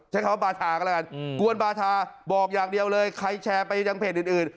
ใช้คำว่าบาทาก็แล้วกันกวนบาทาบอกอย่างเดียวเลยใครแชร์ไปยังเพจอื่น